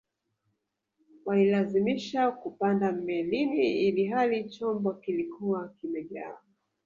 walilazimisha kupanda melini ilihali chombo kilikuwa kimejaa